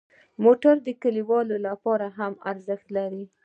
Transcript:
موټر د کلیوالو لپاره هم ارزښت لري.